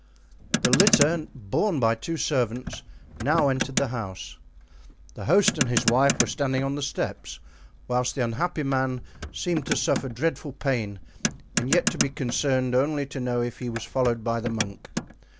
The litter, borne by two servants, now entered the house. The host and his wife were standing on the steps, whilst the unhappy man seemed to suffer dreadful pain and yet to be concerned only to know if he was followed by the monk.